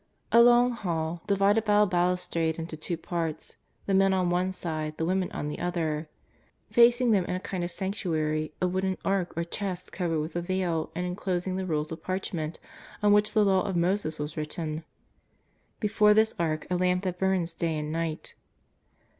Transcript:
A long hall, divided by a balustrade into two parts, the men on one side, the women on the other. Facing them in a kind of sanctuary, a wooden ark or chest covered with a veil and enclosing the rolls of parch ment on which the Law of Moses was written. Before this ark a lamp that burns day and night.